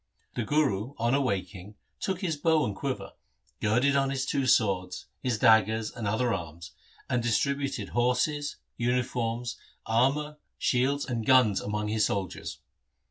The Guru on awaking took his bow and quiver, girded on his two swords, his daggers and other arms, and distributed horses, uniforms, armour, shields, and guns among his soldiers.